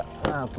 bisa dibuka oke